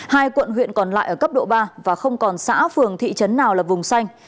hai quận huyện còn lại ở cấp độ ba và không còn xã phường thị trấn nào là vùng xanh